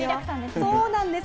そうなんです。